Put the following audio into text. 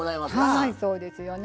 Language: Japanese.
はいそうですよね。